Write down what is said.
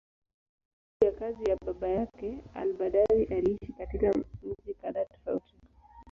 Kwa sababu ya kazi ya baba yake, al-Badawi aliishi katika miji kadhaa tofauti.